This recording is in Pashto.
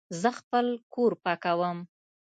زه خپل کور پاکوم